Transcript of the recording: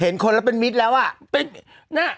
เห็นคนไม่มีนอนแล้วอ่ะ